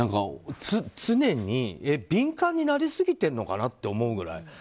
常に、敏感になりすぎてるのかなって思うくらい。